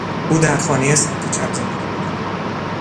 او در خانهی سمت چپ زندگی میکند.